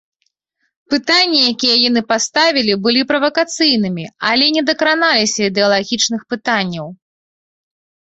Пытанні, якія яны паставілі, былі правакацыйнымі, але не дакраналіся ідэалагічных пытанняў.